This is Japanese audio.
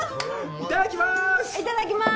いただきまーす！